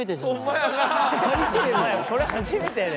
これ初めてやで。